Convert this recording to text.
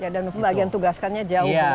dan bagian tugaskannya jauh lebih